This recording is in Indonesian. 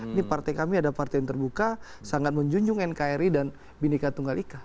ini partai kami ada partai yang terbuka sangat menjunjung nkri dan binika tunggal ika